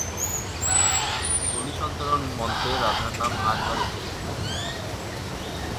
কলি-সন্তরণ মন্ত্রে রাধার নাম আটবার উচ্চারিত হয়েছে।